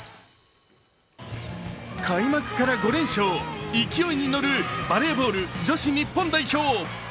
開幕から５連勝、勢いに乗るバレーボール女子日本代表。